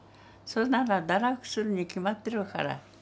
それなら堕落するに決まってるから。